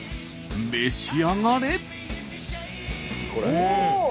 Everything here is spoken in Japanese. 召し上がれ！